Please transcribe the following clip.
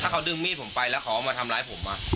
ถ้าเขาดึงมีดผมไปแล้วเขามาทำร้ายผมอ่ะอ่า